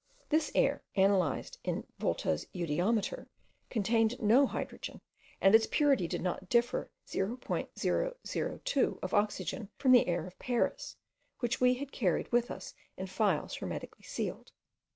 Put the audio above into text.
This air, analysed in Volta's eudiometer, contained no hydrogen, and its purity did not differ 0.002 of oxygen from the air of Paris, which we had carried with us in phials hermetically sealed.)